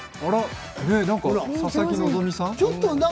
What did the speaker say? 佐々木希さん？